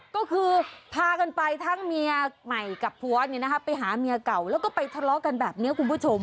ก็คือพากันไปทั้งเมียใหม่กับผัวไปหาเมียเก่าแล้วก็ไปทะเลาะกันแบบนี้คุณผู้ชม